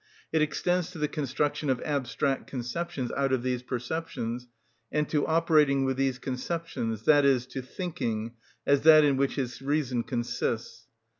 It extends to the construction of abstract conceptions out of these perceptions, and to operating with these conceptions, i.e., to thinking, as that in which his reason consists.